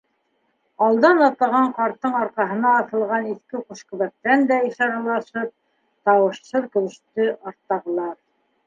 Алдан атлаған ҡарттың арҡаһына аҫылған иҫке ҡушкөбәктән дә ишаралашып, тауышһыҙ көлөштө арттағылар.